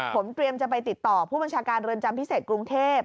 ผมเตรียมจะไปติดต่อผู้บัญชาการเรือนจำพิเศษกรุงเทพ